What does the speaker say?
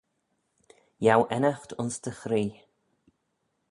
Yiow ennaght ayns dty chree.